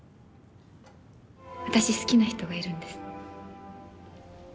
私好きな人がいるんです。